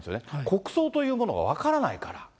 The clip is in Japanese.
国葬というものが分からないから。